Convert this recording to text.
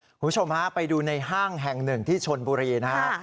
คุณผู้ชมฮะไปดูในห้างแห่งหนึ่งที่ชนบุรีนะฮะ